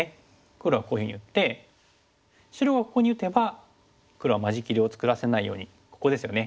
黒はこういうふうに打って白がここに打てば黒は間仕切りを作らせないようにここですよね